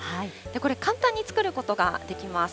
これ、簡単に作ることができます。